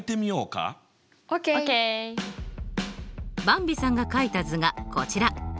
ばんびさんがかいた図がこちら。